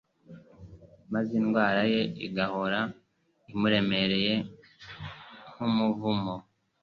maze indwara ye igahora imuremereye nk'umuvumo.